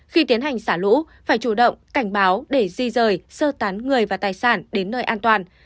khi tiến hành xả lũ phải chủ động cảnh báo để di rời sơ tán người và tài sản đến nơi an toàn